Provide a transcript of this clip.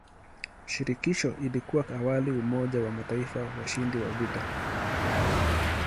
Shirikisho lilikuwa awali umoja wa mataifa washindi wa vita.